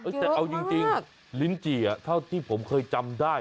แต่เอาจริงลิ้นจี่เท่าที่ผมเคยจำได้